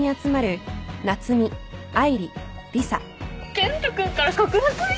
健人君から告白！？